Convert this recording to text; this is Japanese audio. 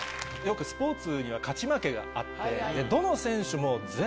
スポーツには勝ち負けがあって。